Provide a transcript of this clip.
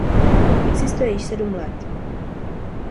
Existuje již sedm let.